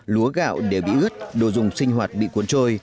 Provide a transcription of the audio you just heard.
lúa gạo đều bị ứt đồ dùng sinh hoạt bị cuốn trôi